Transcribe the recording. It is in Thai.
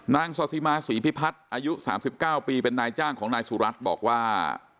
ศาสิมาศรีพิพัฒน์อายุ๓๙ปีเป็นนายจ้างของนายสุรัตน์บอกว่า